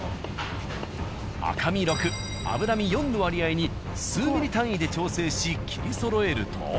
赤身６脂身４の割合に数ミリ単位で調整し切りそろえると。